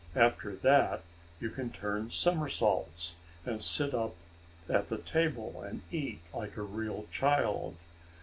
After that you can turn somersaults, and sit up at the table and eat like a real child.